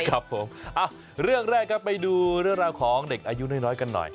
ครับผมเรื่องแรกครับไปดูเรื่องราวของเด็กอายุน้อยกันหน่อย